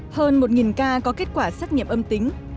hơn một ca có kết quả xét nghiệm âm tính